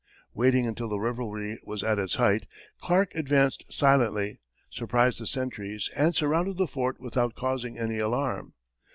Waiting until the revelry was at its height, Clark advanced silently, surprised the sentries, and surrounded the fort without causing any alarm.